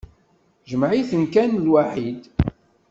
Jmeɛ-itent kan lwaḥid.